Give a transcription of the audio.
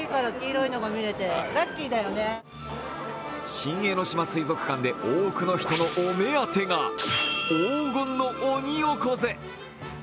新江ノ島水族館で多くの人のお目当てが黄金のオニオコゼ。